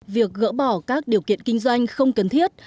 việc gỡ bỏ các điều kiện kinh doanh không cần thiết